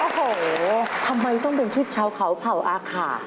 โอ้โหทำไมต้องเป็นชุดชาวเขาเผ่าอาขา